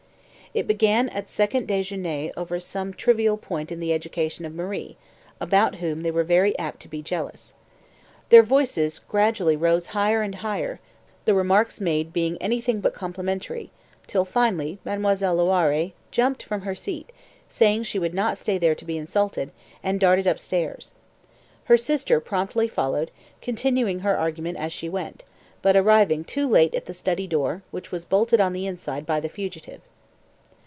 It began at second déjeuner over some trivial point in the education of Marie, about whom they were very apt to be jealous. Their voices gradually rose higher and higher, the remarks made being anything but complimentary, till finally Mademoiselle Loiré leaped from her seat, saying she would not stay there to be insulted, and darted upstairs. Her sister promptly followed, continuing her argument as she went, but arriving too late at the study door, which was bolted on the inside by the fugitive.